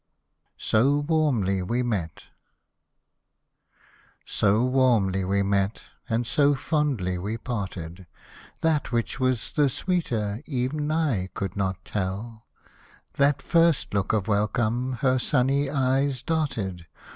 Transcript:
SO WARMLY WE MET So warmly we met and so fondly we parted. That which was the sweeter ev'n I could not tell, — That first look of welcome her sunny eyes darted.